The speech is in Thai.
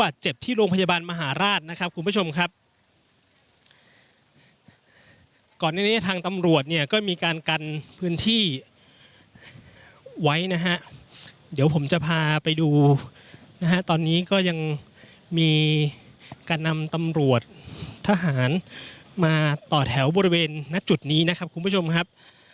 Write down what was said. ก่อนที่นี้ทางตำรวจเนี่ยก็มีการกันพื้นที่ไว้นะฮะเดี๋ยวผมจะพาไปดูนะฮะตอนนี้ก็ยังมีการนำตำรวจทหารมาต่อแถวบริเวณนักจุดนี้นะครับคุณผู้ชมครับ